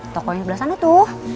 kau ke sebelah sana tuh